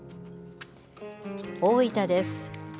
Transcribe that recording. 大分です。